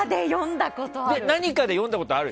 何かで読んだことある。